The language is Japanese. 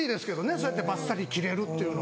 そうやってばっさり切れるっていうのは。